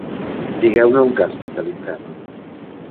Digueu-ne un castic de l'infern…